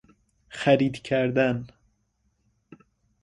خرید کردن